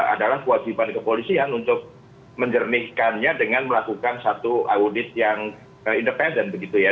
adalah kewajiban kepolisian untuk menjernihkannya dengan melakukan satu audit yang independen begitu ya